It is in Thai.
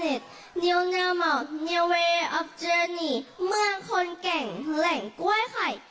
เนียลเนียลเมิลเนียลเวรอัพเจอร์นีเมืองคนแก่งแหล่งกล้วยไข่